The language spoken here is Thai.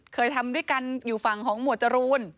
เคยทำด้วยกันอยู่ฝั่งของหมวดจรูน